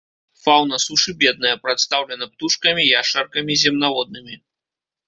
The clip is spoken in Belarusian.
Фаўна сушы бедная, прадстаўлена птушкамі, яшчаркамі, земнаводнымі.